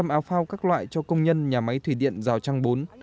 một trăm linh áo phao các loại cho công nhân nhà máy thủy điện giao trang bốn